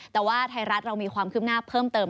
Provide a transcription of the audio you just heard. แต่ว่าไทยรัฐเรามีความคืบหน้าเพิ่มเติม